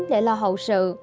để lo hậu sự